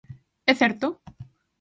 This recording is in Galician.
É certo?